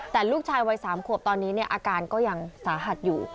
แต่ลูกชายวัย๓ขวบตอนนี้อาการก็ยังสาหัสอยู่